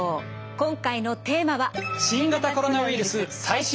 今回のテーマは。